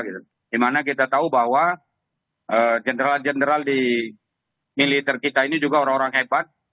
dimana kita tahu bahwa general general di militer kita ini juga orang orang hebat